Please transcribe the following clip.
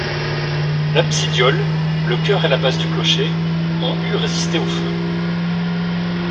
L'absidiole, le chœur et la base du clocher ont eu résisté aux feux.